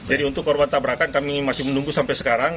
jadi untuk korban tabrakan kami masih menunggu sampai sekarang